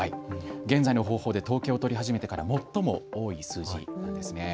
現在の方法で統計を取り始めてから最も多い数字なんです。